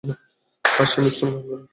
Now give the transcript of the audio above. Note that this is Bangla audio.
তার স্বামী ইসলাম গ্রহণ করে।